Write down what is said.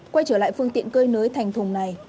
quay trở lại phương tiện cơi nới thành thùng này